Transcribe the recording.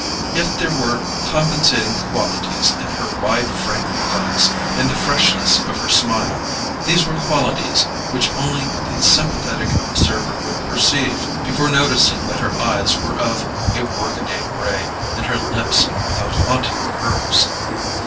If there were compensating qualities in her wide frank glance and the freshness of her smile, these were qualities which only the sympathetic observer would perceive before noticing that her eyes were of a workaday grey and her lips without haunting curves.